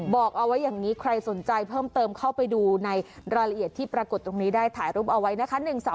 บอกเอาไว้อย่างนี้ใครสนใจเพิ่มเติมเข้าไปดูในรายละเอียดที่ปรากฏตรงนี้ได้ถ่ายรูปเอาไว้นะคะ